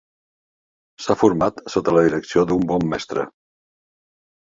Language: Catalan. S'ha format sota la direcció d'un bon mestre.